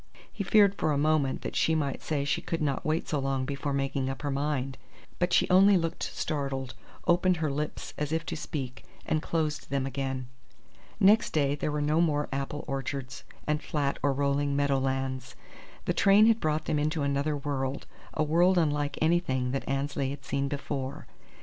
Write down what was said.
He feared for a moment that she might say she could not wait so long before making up her mind; but she only looked startled, opened her lips as if to speak, and closed them again. Next day there were no more apple orchards and flat or rolling meadow lands. The train had brought them into another world, a world unlike anything that Annesley had seen before.